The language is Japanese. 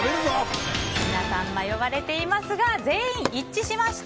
皆さん、迷われていますが全員一致しました。